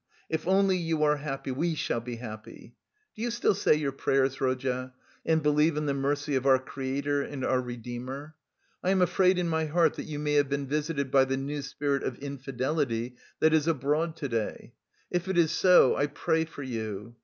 If only you are happy, we shall be happy. Do you still say your prayers, Rodya, and believe in the mercy of our Creator and our Redeemer? I am afraid in my heart that you may have been visited by the new spirit of infidelity that is abroad to day; If it is so, I pray for you.